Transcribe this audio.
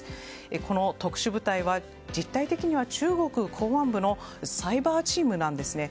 この特殊部隊は実態的には中国公安部のサイバーチームなんですね。